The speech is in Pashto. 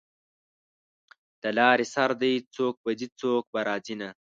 د لارې سر دی څوک به ځي څوک به راځینه